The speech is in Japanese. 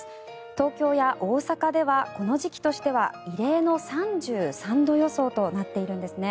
東京や大阪ではこの時期としては異例の３３度予想となっているんですね。